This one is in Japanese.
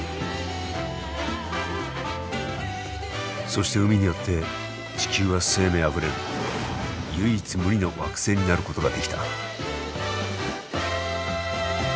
そして海によって地球は生命あふれる唯一無二の惑星になることができた。